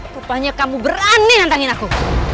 rupanya kamu berani ngandangin aku